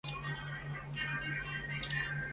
锦水河站为地下二层岛式站台车站。